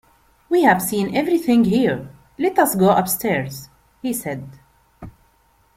"We have seen everything here; let us go upstairs," he said.